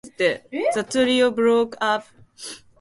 The trio broke up and Stritch moved to New York City.